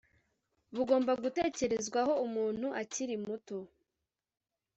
. Bugomba gutekerezwaho umuntu akiri muto